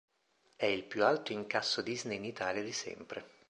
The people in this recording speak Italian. È il più alto incasso Disney in Italia di sempre.